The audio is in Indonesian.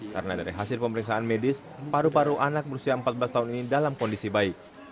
karena dari hasil pemeriksaan medis paru paru anak berusia empat belas tahun ini dalam kondisi baik